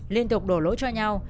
liên tục đổ lỗi cho nhau